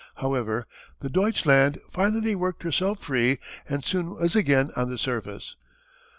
_] However, the Deutschland finally worked herself free and soon was again on the surface.